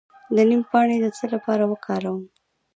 د نیم پاڼې د څه لپاره وکاروم؟